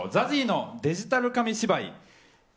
ＺＡＺＹのデジタル紙芝居。